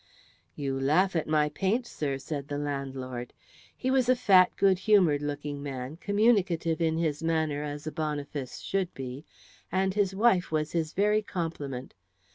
"You laugh at my paint, sir," said the landlord. He was a fat, good humoured looking man, communicative in his manner as a Boniface should be, and his wife was his very complement.